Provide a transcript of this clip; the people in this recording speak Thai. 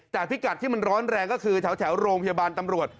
แต่พิกัดที่มันร้อนแรงก็คือแถวโรงพยาบาลตำรวจ